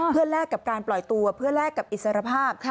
เพื่อแลกกับการปล่อยตัวเพื่อแลกกับอิสรภาพ